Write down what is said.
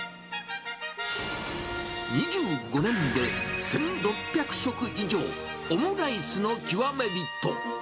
２５年で１６００食以上、オムライスの極め人。